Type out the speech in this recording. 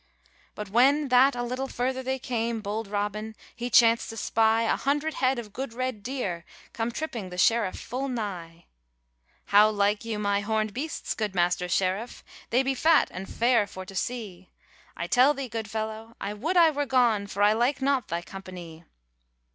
But when that a little further they came, Bold Robin he chanced to spy A hundred head of good red deer, Come tripping the sheriff full nigh. 'How like you my hornd beasts, good Master Sheriff? They be fat and fair for to see :' 'I tell thee, good fellow, I would I were gone, For I like not thy company.'